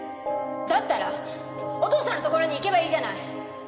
だったらお父さんのところに行けばいいじゃない！